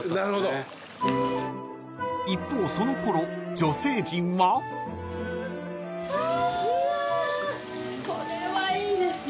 ［一方そのころ女性陣は］うわこれはいいですね。